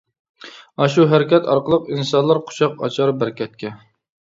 ئاشۇ ھەرىكەت ئارقىلىق ئىنسانلار قۇچاق ئاچار-بەرىكەتكە!